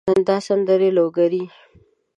دا سندرې لوګري